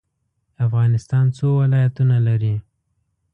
افغانستان څو ولایتونه لري؟